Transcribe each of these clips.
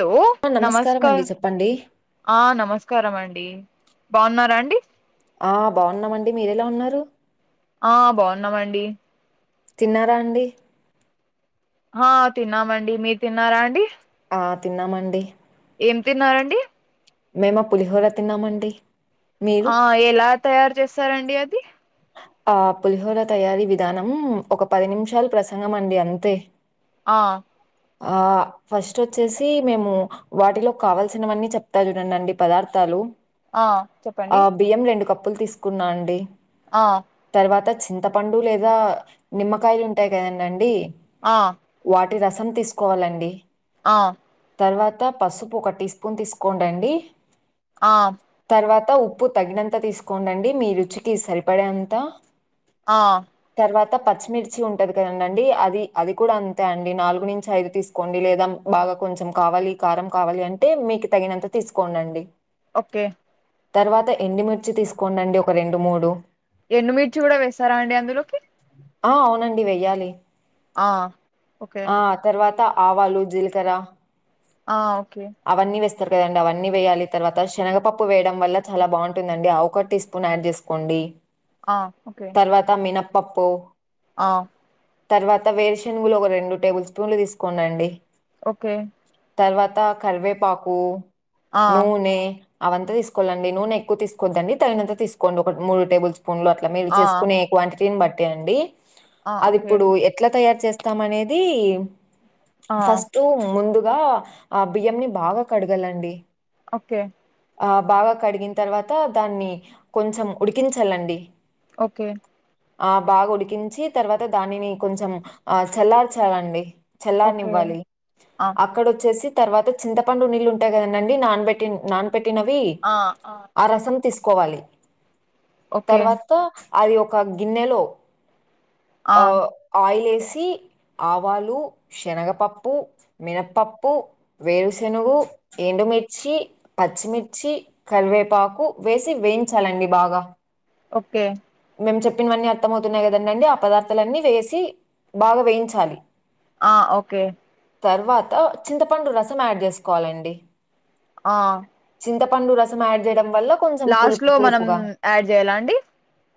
Hello ఆ! నమస్క నమస్కారం అండి. చెప్పండి. ఆ నమస్కారమండి టి బాన్నారా అండి ఆ బావున్నామండి మీరెలా ఉన్నారు ఆ బావున్నామండి తిన్నారా అండి ఆ తిన్నామండి మీరు తిన్నారా అండి ఆ తిన్నామండి ఏం తిన్నారండి మేమ పులిహోర తిన్నామండి మీరు? ఆ ఎలా తయారు చేస్తారండి అది ఆ పులిహోర తయారీ విధానం ఒక పది నిమిషాలు ప్రసంగం అండి అంతే ఆ ఆ ఫస్ట్ వచ్చేసి మేము వాటిలో కావల్సినవన్నీ చెప్తా చూడడండి పదార్థాలు ఆ చెప్పండి ప్పులు తీసుకున్నా అండి ఆ తర్వాత చింతపండు లేదా నిమ్మకాయలు ఉంటాయి కదండం అండి ఆ వాటి రసం తీసుకోవాలండి ఆ తరువాత పసుపు ఒక టీ స్పూన్ తీసుకొండండి ఆ తర్వాత ఉప్పు తగినంత తీసుకొండండి మీ రుచికి సరిపడే అంత ఆ తర్వాత పచ్చిమిర్చి ఉంటది కదండి అండి అది అది కూడా అంతే అండి నాలుగు నుంచి ఐదు తీసుకోండి లేదా బాగా కొంచెం కావాలి కారం కావాలి అంటే మీకు తగినంత తీసుకోండండి ఓకే తరువాత ఎండుమిర్చి తీసుకొండండి ఒక రెండు మూడు ఎండుమిర్చి కూడా వేస్తారా అండి అందులోకి ఆ అవునండి వెయ్యాలి ఆ ఓకే ఆ తర్వాత ఆవాలు జీలకర్ర ఆ ఓకే కదండి అవన్నీ వేయాలి తర్వాత శనగపప్పు వేయడం వల్ల చాలా బాగుంటుందండి ఆ ఒక టీ స్పూన్ యాడ్ చేసుకోండి ఆ ఓకే పప్పు ఆ తరువాత వేరు శనుగులు ఒక రెండు టేబుల్ స్పూన్లు తీసుకోండండి ఓకే తర్వాత కరివేపాకు ఆ నూనె అవంత తీసుకోళ్ళండి నూనె ఎక్కువ తీసుకోవద్దండి తగినంత తీసుకోండి ఒక మూడు టేబుల్ స్పూన్ స్పూన్లు అట్లా మీరు ఆ చేసుకునే క్వాంటిటీ ని బట్టి అండీ ఆ అది ఓకే ఇప్పుడు ఎట్లా తయారీ చేస్తామనేది ఆ ఫస్ట్ ముందు గా ఆ బియ్యంని బాగా కడగాలండి ఓకే ఆ బాగా కడిగిన తర్వాత దాన్ని కొంచెం ఉడికించాలండి ఓకే ఆ బాగా ఉడికించి తర్వాత దానిని కొంచెం ఆ చల్లార్చాలండి ఓకే ఆ చేసి తర్వాత చింతపండు నీళ్లు ఉంటాయి కదండి నాన్ పెట్టి నాన్ పెట్టినవి ఆ రసం తీసుకోవాలి ఓకే తర్వాత అది ఒక గిన్నెలో ఆ ఆయిల్ వేసి వేసి ఆవాలు శనగపప్పు మినపప్పు వేరుశెనుగు ఎండుమిర్చి పచ్చిమిర్చి కరివే పాకు వేసి వేయించాలండి బాగా ఓకే మేము చెప్పినవన్నీ అర్థంమవుతున్నాయి కదండి ఆ పదార్థాలన్నీ వేసి బాగా వేయించాలి ఆ ఓకే తర్వాత చింతపండు రసం యాడ్ చేసుకోవాలండి ఆ చింతపండు రసం యాడ్ చేయడం వల్ల కొంచెం లాస్ట్ పులుపు లో మనం పులుపుగా యాడ్ చేయాలా అండి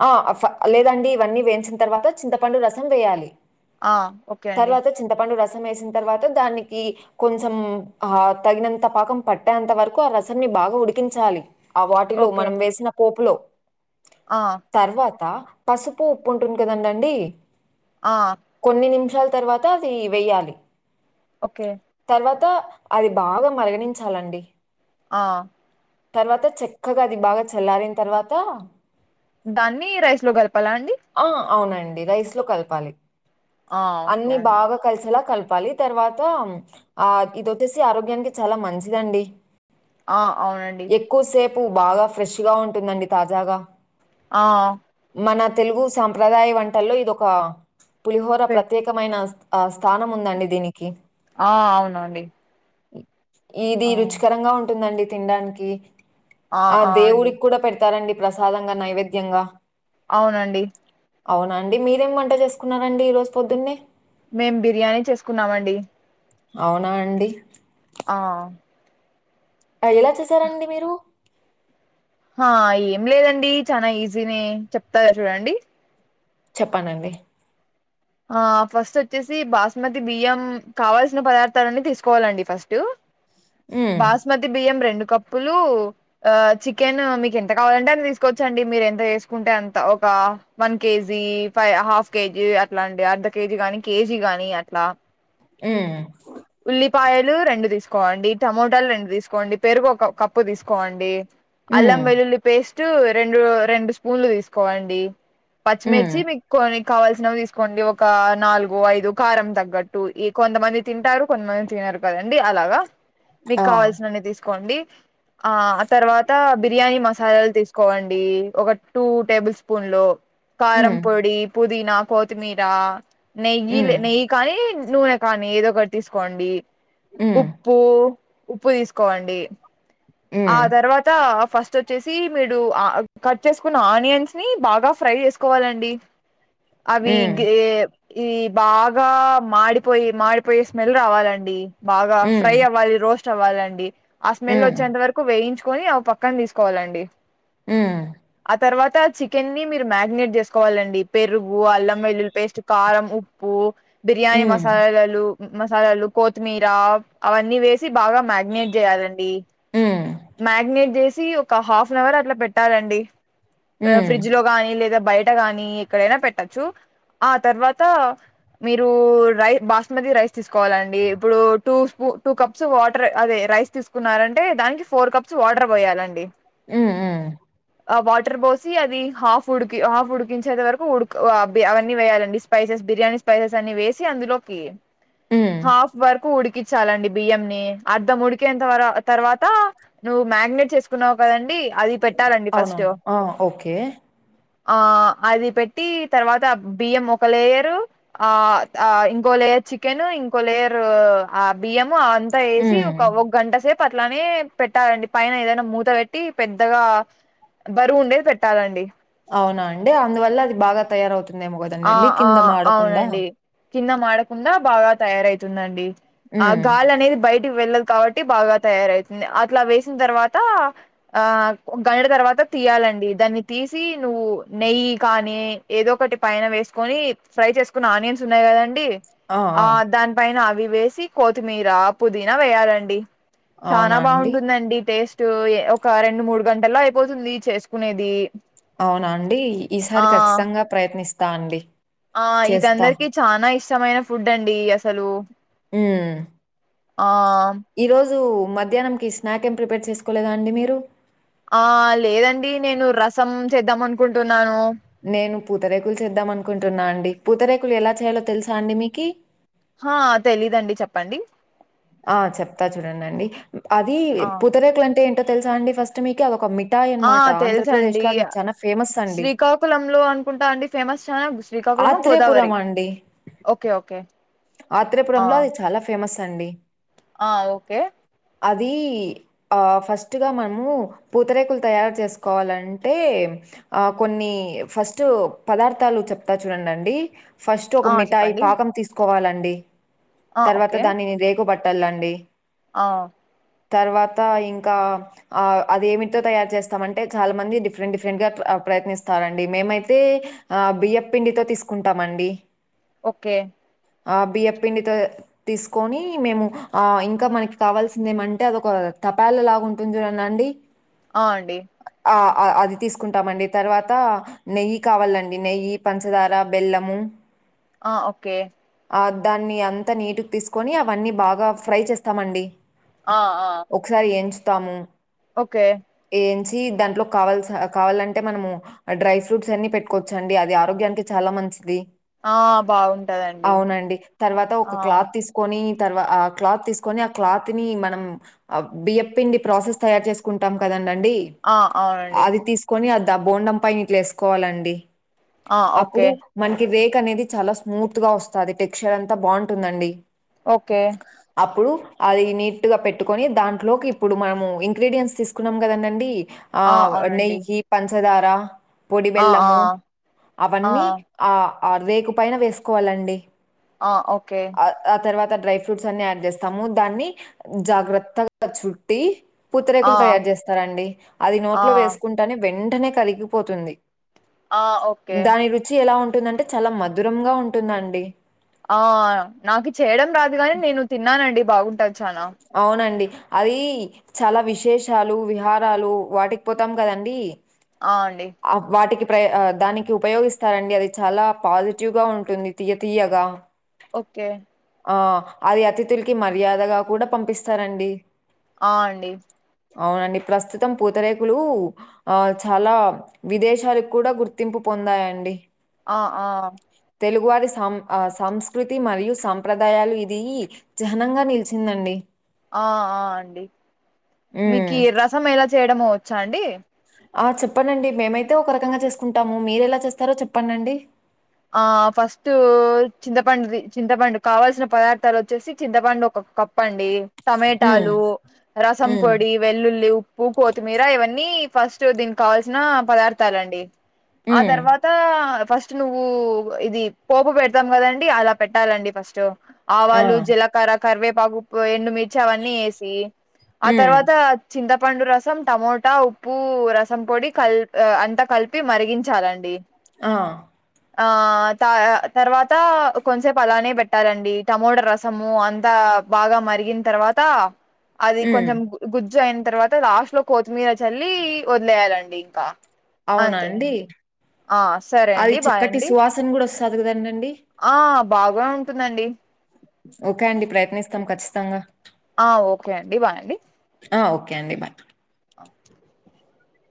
ఆ ఫా లేదండి ఇవన్నీ వేయించిన తర్వాత చింతపండు రసం వేయాలి ఆ ఓకే అండి తర్వాత చింతపండు రసం వేసిన తర్వాత దానికి కొంచెం ఆ తగినంత పాకం పట్టేంత వరకు ఆ రసం ని బాగా బాగా ఉడికించాలి ఆ వాటిలో ఓకే మనం వేసిన పోపులో ఆ తర్వాత పసుపు ఉప్పు ఉంటుంది కదండండి ఆ కొన్ని నిమిషాలు వషాల తర్వాత అది వెయ్యాలి ఓకే అంత అది బాగా మర్గనించాలి అండి ఆ తర్వాత చక్కగా అది బాగా చల్లారిన తర్వాత దాన్ని రైస్ లో కలపాల అండి రైస్ లో కలపాలి ఆ ఓకే అన్ని అండి బాగా కలిసేలా కల్ప పాలి తర్వాత ఆ ఇది వచ్చేసి ఆరోగ్యానికి చాలా మంచిదండి ఆ అవునండి పు బాగా ఫ్రెష్గా ఉంటుందండి తాజాగా ఆ మన తెలుగు సాంప్రదాయ వంటల్లో ఇదొక పులిహోర పె ప్రత్యేకమైన స్థానం ఉందండి దీనికి ఆ అవునండి ఇది ఆ రుచికరంగా ఉంటుందండి తినడానికి ఆ దేవుడికి కూడా పెడతారండి ప్రసాదంగా నైవేద్యంగా అవునండి అవున అండి మీరేం వంట చేసుకున్నారండి ఈ రోజు పొద్దున్నే మేం బిర్యానీ చేసుకున్నామండి అవునా అండి ఆ ఎలా చేసారండి మీరు ఆ ఏం లేదండి చానా ఈజీనే చెప్తా చూడండి చెప్పండి అండి ఆ ఫస్ట్ వచ్చేసి బాస్మతి బియ్యం కావల్సిన పదార్థాలన్నీ తీసుకోవాలండి ఫస్ట్ హ్మ్. బాస్మతి బియ్యం రెండు కప్పులు ఆ చికెన్ మీకు ఎంత కావాలంటే అంత తీసుకోవచ్చండి మీరు ఎంత చేసుకుంటే అంత ఒక క అ వన్ కేజ ఫై హాఫ్ కేజి అట్లా అండి అర్ధ కేజీ గాని కేజీ గాని అట్లా మ్మ్ ఉల్లిపాయలు రెండు తీసుకోండి టమోటాలు రెండు తీసుకోండి పెరుగు ఒక కప్పు తీసుకోండి హ్మ్. అల్లం వెల్లుల్లి పేస్ట్ రెండు రెండు స్పూన్లు తీసుకోవండి హ్మ్. పచ్చిమిర్చి మీకు కొ కావల్సినవి తీసుకోండి ఒక నాలుగు ఐదు కారం తగ్గట్టు ఈ కొంతమంది తింటారు కొంతమంది తినరు కదండి అలాగా మీకు ఆ! కావాల్సినన్ని తీసుకోండి ఆ తర్వాత బిర్యానీ మసాలాలు తీసుకోవండి ఒక టూ టేబుల్ స్పూన్ లు కారం హ్మ్. పొడి పుదీనా కొత్తిమీర నెయ్యి హ్మ్. నెయ్యి కానీ నూనె కానీ ఏదో ఒకటి తీసుకోండి హ్మ్. ఉప్పు ఉప్పు తీసుకోవండి ఆ హ్మ్. తర్వాత ఫస్ట్ వచ్చేసి మీరు కట్ చేసుకున్న ఆనియన్స్ ని బాగా ఫ్రై చేసుకోవాలండి అవి హ్మ్. గ్రే ఇది బాగా మాడిపోయి మాడిపోయే స్మెల్ రావాలండి బాగా హ్మ్. ఫ్రై అవ్వాలి రోస్ట్ అవ్వాలండి ఆ స్మెల్ వచ్చ హ్మ్. వరకు వేయించుకని అ పక్కన తీసుకోవాలండి హ్మ్. ఆ తర్వాత త చికెన్ని ని మీరు మ్యారినేట్ చేసుకోవాలండి పెరుగు అల్లం వెల్లులి పేస్ట్ కారం ఉప్పు బిర్యానీ హ్మ్. మసాలాలు మసాలాలు కొత్తిమీర అవన్నీ వేసి బాగా మగట్ చేయాల హ్మ్. మగట్ చేసి ఒక హాఫ్ ఎన్ అవర్ అట్ల పెట్టాలండి హ్మ్. ఫ్రిజ్లో కానీ లేదా బయట గాని ఎక్కడైనా పెట్టచ్చు ఆ తర్వాత మీరు రైస్ బాస్మతి రైస్ తీసుకోవాలండి ఇప్పుడు టూ స్పూ టూ కప్స్ వాటర్ అదే రైస్ తీసుకున్నారంటే దానికి ఫోర్ కప్స్ వార్డర్ పోయాలండి ఆ ఆ ఆ వాటర్ పోసి అది హాఫ్ ఉడికి హాఫ్ ఉడికించేది వరకు ఉ అవన్న వయాలం స్పైసెస్ బిర్యానీ స్పైసెస్ అన్ని వేసి అందులోకి హ్మ్. హాఫ్ వరకు ఉడికించాలండి బియ్యం ని అర్ధం ఉడికేంత వర తర్వాత నువ్వు మ్యాగినేట్ చేసు కున్నావు కదండి అది పెట్టాలండి ఫస్ట్ అవునవును. ఆ! ఓకే. ఆ అది పెట్టి తర్వాత బియ్యం ఒక లేయరు ఆ ఇంకో లేయర్ చికెన్ ఇంకో లేరు ఆ బియ్యము అ అంతా వేసి హ్మ్. ఒక ఒక గంట సేపు పట్లనే పెట్టారండి పైన ఏదైనా మూతగట్టి పెద్దగా బరువు ఉండేది పెట్టాలండి అవునా అండి అందువల్ల అది బాగా తయారవుతుంది ఏమో ఆ కదండండి ఆ కింద ఆడకుండా అవునండి కింద మాడకుండా బాగా తయారవుతుందండి ఆ హ్మ్. గాలి అనేది బయట వెళ్ళదు కాబట్టి బాగా తయారవుతుంది అట్లా వేసిన తర్వాత ఆ గంట తర్వాత తీయాలండి దాన్ని తీసి నువ్వు నెయ్యి కానీ ఏదో ఒకటి పైన వేసుకొని ఫ్రై చేసుకుని ఆనియన్స్ ఉన్నాయి కదండి ఆ దాని పైన అవి వేసి కొతిమీర పుదీనా వేయాలండి చాలా అవునా అండి? బాగుంటుందండి టేస్ట్ ఒక రెండు మూడు గంటల్లో అయిపోతుంది చేసుకునేది అవునా అండి ఆ ఈసారి ఖచ్చితంగా ప్రయత్నిస్త ఆ ఇదందరికి చనాా ఇష్టమైన ఫుడ్ అండి అసలు ఆ ఆ ఈ రోజు మధ్యాహ్నంకి స్నాక్ ఏమి ప్రిపేర్ చేసుకోలేదా అండి మీరు ఆ లేదండి నేను రసం చేద్దాం అనుకుంటున్నాను నేను పూతరేకులు చేద్దాం అనుకుంటున్నా అండి పూతరేకులు ఎలా చేయాలో తెలుసా అండి మీకి ఆ తెలీదండి చెప్పండి ఆ చెప్తా చూడండి అండి అది ఆ పుతరేకులు అంటే ఏంటో తెలుసా అండి ఫస్ట్ మీకు అదొక మి ఇిఠాయ ఆ అనమాట ఆంధ్రప్రదేశ్ తెలుసండి లో అది చాలా ఫేమస్ అండి శ్రీకాకుళంలో అనుకుంటా అండి ఫేమస్ చానా శ్రీకాకుళము ఆత్రేపురం గోదావరి అండి ఓకే ఓకే ఆ ఆత్రేపురంలో అది చాలా ఫే ఫేమస్ అండి ఆ ఓకే అది ఫస్ట్గా మనము పూతరేకులు తయారు చేసుకోవాలంటే ఆ కొన్ని ఫస్ట్ పదార్ాలు చె కొత్తా చూడండి అండి ఫస్ట్ ఒక ఆ మిఠాయి చెప్పండి పాకం తీసుకోవాలండి ఆ తర్వాత ఓకే దాన్ని రేకుబట్టాలండి ఆ తర్వాత ఇంకా ఆ అదేమితో తయారు చేస్తామ అంటే చాలా మంది డిఫరెంట్ డిఫరెంట్ గా ప్రయత్నిస్తారంండి మేమైతే ఆ బియ్య పిండితో తీసుకుంటామండి ఓకే ఆ బియ్య పిండితో తీసుకొని మేము ఆ ఇంకా మనకి కావాల్సింద ఏమంటే అదొక తపాళ లాగాంటుందిురనండి ఆ అండి అది తీసుకుంటామండి తర్వాత నెయ్యి కావాలండి నెయ్యి పంచదార బెల్లము ఆ ఓకే దాన్ని అంతా నీటుకి తీసుకొని అవన్నీ బాగా ఫ్రై చేస్తామండి ఆ ఆ ఒకసారి ఎంచుతాము ఓకే మ అవం ఆరోగ్యానికి చాలా మంచిది ఆ బాగుంటదండి అవునండి తర్వాత ఆ ఒక క్లాత్ తీసుకొని తర్వా ఆ క్లాత్ తీసుకొని ఆ క్లాత్ ని మనం బియప్పిండి ప్రాసెస్ తయారు చేసుకుంటాం కదం అడి ఆ అవునండి అది తీసుకొని అద్ద బోండం పని ఇట్లు వేసుకోవాలండి ఆ అప్పుడు ఓకే మనకి రేక్ అనేది చాలా స్మూత్ గా వస్తుంది టెక్స్చర్ అంతా బాగుంటుందండి ఓకే అది నీట్ గా పెట్టుకొని దాంట్లోకి ఇప్పుడు మనము ఇంగ్రీడియంయంట్స్ తీసుకున్నాం కదండండి ఆ నెయ్యి పంచదార ఆ ఆ పొడిబెల్లము ఆ అవన్నీ ఆ అరుదేకు పైన వేసుకోవాలండి ఆ ఓకే ఆ ఆ తర్వాత డ్రై ఫ్రూట్స్ అన్ని యాడ్ చేస్తాము దాన్ని జాగ్రత్తగా చుట్టి ఆ పుత్తరేకులు తయారు చేస్తారండి అది ఆ నోట్లో వేసుకుంటానే వెంటనే కరిగిపోతుంది ఆ ఓకే దాని రుచి ఎలా ఉంటుందంటే చాలా మధురంగాగా ఉంటుందండి ఆ నాకు చేయడం రాదుగాని నేను తిన్నానండి బాగుంటది చానా అవునండి అది చాలా విశేషాలు విహారాలు వాటికి పోతాం కదండి అవు అండి దానికి ఉపయోగిస్తారంండి అది చాలా పాజిటివ్ గా ఉంటుంది తీయ తీయగా ఓకే ఆ అది అతిథులకి మర్యాదగా కూడా పంపిస్తారంండి ఆ అండి అవునండి ప్రస్తుతం పూతరేకులు ఆ చాలా విదేశాలకు కూడా గుర్తింపు పొందాయండి ఆ ఆ తెలుగువారి సం ఆ సంస్కృతి మరియు సంప్రదాయాలు ఇది జహ్నంగా నిలిచిందండి ఆ ఆ అండి హ్మ్. మీకు రసం ఎలా చేయడమ వచ్చా అండి ఆ చెప్పనండి మేమైతే ఒక రకంగా చేసుకుంటాము మీరు ఎలా చేస్తారో చెప్పండిండి ఆ ఫస్ట్ చింతపండుది చింతపండు కావల్సిన పదార్థాలు వచ్చేసి చింతపండు ఒక కప్పు చెప్పండి హ్మ్. టమటాలు రసం హ్మ్. పొడి వెల్లుల్లి ఉప్పు కొత్తిమీర ఇవన్నీ ఫస్ట్ దీనికి కావాల్సిన పదార్థాలండి ఆ హ్మ్. తర్వాత ఫస్ట్ నువ్వు ఇది పోపు పెడతాం కదండి అలా పెట్టాలండి ఫస్ట్ ఆ! ఆవాలు జీలకర కరివేపాకు ఎండుమిిర్చి అవన్నీ వేసి ఆ హ్మ్. తర్వాత చింతపండు రసం టమోటా ఉప్పు రసం పొడి కల్ అంతా కలిపి మరిగించాలండి ఆ ఆ త తర్వాత కొంచసేపు అలానే పెట్టాలండి టమోట రసము అంతా బాగా మరిగిన తర్వాత అది హ్మ్. కొంచెం గుజ్జు అయిన తర్వాత లాస్ట్ లో కొత్తిమీర చల్లి వదిలేయాలండి ఇంకా అవునా అంతే అండి ఆ సరే అండి మరి బాయ్ చక్కటి అండి సువాసన కూడా వస్తుంది కదండి ఆ బాగా ఉంటుందండి ఓకే అండి ప్రయత్నిస్తాం ఖచ్చితంగా ఆ ఓకే అండి బాయ్ అండి ఆ ఓకే అండి బాయ్ అ